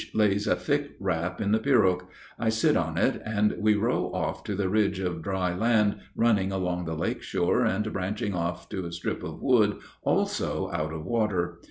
lays a thick wrap in the pirogue, I sit on it, and we row off to the ridge of dry land running along the lake shore and branching off to a strip of wood also out of water.